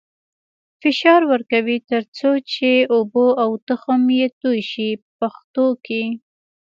فشار ورکوي تر څو چې اوبه او تخم یې توی شي په پښتو کې.